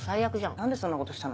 何でそんなことしたの？